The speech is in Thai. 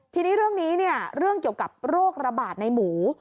ทีนี้เรื่องนี้เนี่ยเรื่องเกี่ยวกับโรคระบาดในหมู